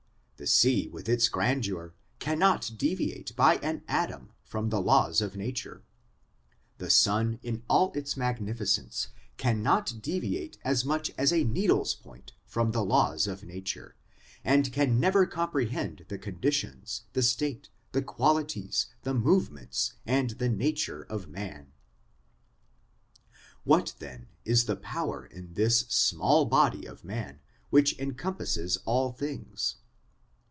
The sea with its grandeur cannot deviate by an atom from the laws of nature ; the sun in all its magnificence cannot deviate as much as a needle's point from the laws of nature, and can never comprehend the con ditions, the state, the qualities, the movements, and the nature of man. What, then, is the power in this small body of man which encompasses all this